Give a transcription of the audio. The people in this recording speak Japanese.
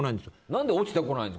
何で落ちてこないの。